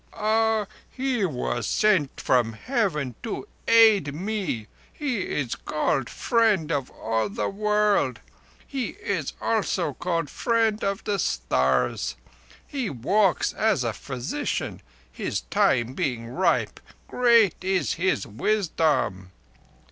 "Ah, he was sent from Heaven to aid me. He is called the Friend of all the World. He is also called the Friend of the Stars. He walks as a physician—his time being ripe. Great is his wisdom."